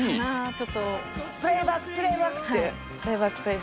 ちょっと「プレイバックプレイバック」って？